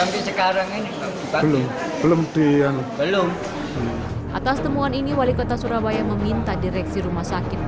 belum belum belum atas temuan ini wali kota surabaya meminta direksi rumah sakit